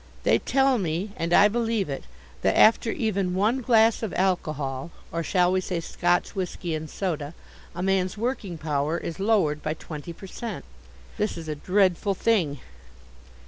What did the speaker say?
They tell me and I believe it that after even one glass of alcohol, or shall we say Scotch whisky and soda, a man's working power is lowered by twenty per cent. This is a dreadful thing.